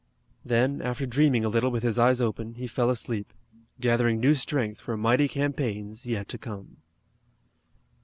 Then after dreaming a little with his eyes open he fell asleep, gathering new strength for mighty campaigns yet to come.